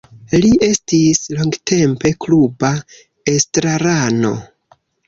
Li estis longtempe kluba estrarano.